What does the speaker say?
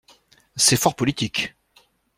C'est fort politique.